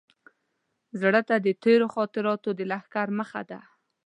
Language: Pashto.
زړه ته د تېرو خاطراتو د لښکر مخه ده.